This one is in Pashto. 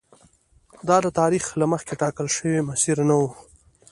دا د تاریخ له مخکې ټاکل شوی مسیر نه و.